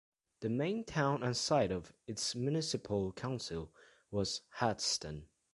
The main town and site of its municipal council was Hadsten.